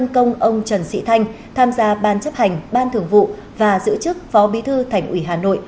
một trăm công ông trần sĩ thanh tham gia ban chấp hành ban thường vụ và giữ chức phó bí thư thành ủy hà nội